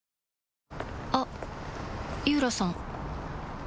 あっ井浦さん